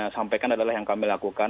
sampaikan adalah yang kami lakukan